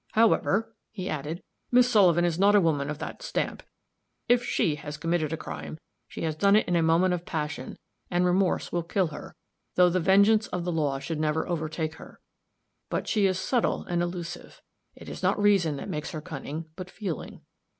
"However," he added, "Miss Sullivan is not a woman of that stamp. If she has committed a crime, she has done it in a moment of passion, and remorse will kill her, though the vengeance of the law should never overtake her. But she is subtle and elusive. It is not reason that makes her cunning, but feeling.